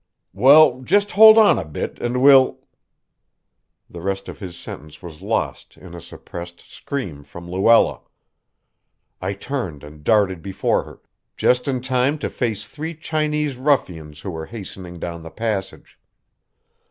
"Well, just hold on a bit, and we'll " The rest of his sentence was lost in a suppressed scream from Luella. I turned and darted before her, just in time to face three Chinese ruffians who were hastening down the passage.